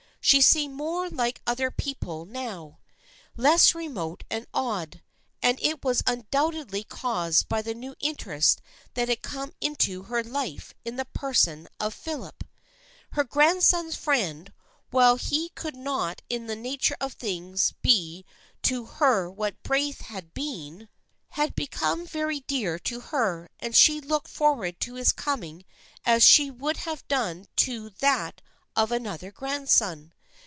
She seemed more like other people now, less remote and odd, and it was undoubtedly caused by the new interest that had come into her life in the person of Philip. Her grandson's friend, while he could not in the nature of things be to her what Braith had been, had become very dear to her, and she looked forward to his coming as she would have done to that of another grandson.